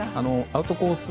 アウトコース